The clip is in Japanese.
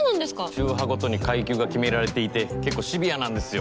宗派ごとに階級が決められていてけっこうシビアなんですよ。